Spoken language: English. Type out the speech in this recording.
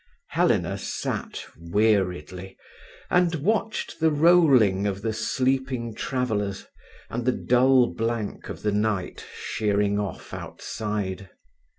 Helena sat weariedly and watched the rolling of the sleeping travellers and the dull blank of the night sheering off outside.